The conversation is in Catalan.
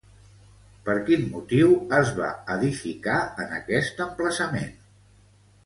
Per quin motiu es va edificar en aquest emplaçament?